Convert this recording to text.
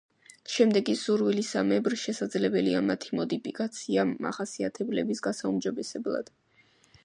შემდეგ კი სურვილისამებრ შესაძლებელია მათი მოდიფიკაცია მახასიათებლების გასაუმჯობესებლად.